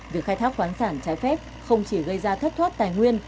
việc khai thác khoáng sản trái phép không chỉ gây ra thất thoát tài nguyên